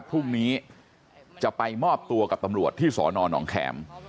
พรุ่งนี้จะไปมอบตัวกับตำรวจที่สนหนองแข็ม